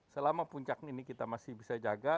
selama puncak ini kita masih bisa jaga